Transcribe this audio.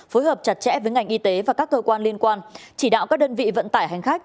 phối hợp chặt chẽ với ngành y tế và các cơ quan liên quan chỉ đạo các đơn vị vận tải hành khách